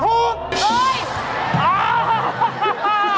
เฮ้ย